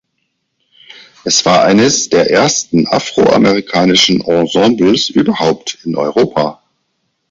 Es war eines der ersten afroamerikanischen Ensembles überhaupt in Europa.